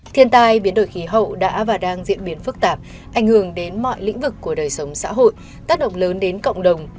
thiên tai biến đổi khí hậu đã và đang diễn biến phức tạp ảnh hưởng đến mọi lĩnh vực của đời sống xã hội tác động lớn đến cộng đồng